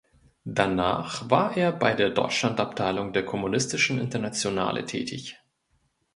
Danach war er bei der Deutschland-Abteilung der Kommunistischen Internationale tätig.